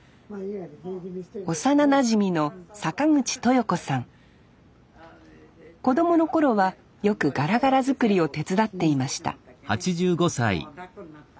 幼なじみの子供の頃はよくがらがら作りを手伝っていました